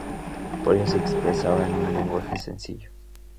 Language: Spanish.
Por ello se expresaba en un lenguaje sencillo.